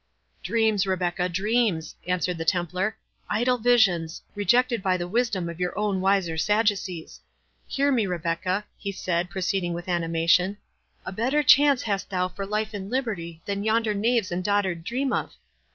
"Dreams, Rebecca,—dreams," answered the Templar; "idle visions, rejected by the wisdom of your own wiser Sadducees. Hear me, Rebecca," he said, proceeding with animation; "a better chance hast thou for life and liberty than yonder knaves and dotard dream of.